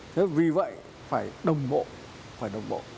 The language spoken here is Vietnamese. thế vì vậy phải đồng bộ